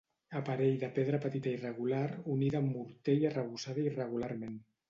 Aparell de pedra petita irregular unida amb morter i arrebossada irregularment.